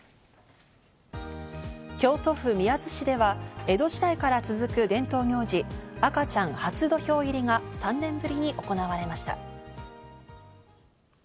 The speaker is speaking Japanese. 京都府宮津市では江戸時代から続く伝統行事、赤ちゃん初土俵入が３年ぶりに行われました。